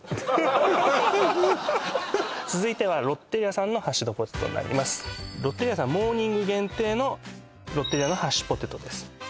続いてはロッテリアさんのハッシュドポテトになりますロッテリアさんはモーニング限定のロッテリアのハッシュポテトです